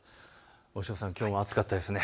押尾さん、きょうも暑かったですね。